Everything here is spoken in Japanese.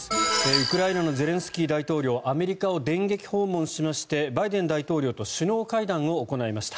ウクライナのゼレンスキー大統領アメリカを電撃訪問しましてバイデン大統領と首脳会談を行いました。